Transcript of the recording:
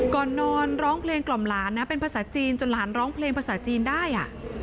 ก่อนนอนร้องเพลงกล่อมหลานนะเป็นภาษาจีนจนหลานร้องเพลงภาษาจีนได้